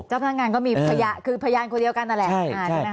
เจ้าพนักงานก็มีพยานคือพยานคนเดียวกันนั่นแหละ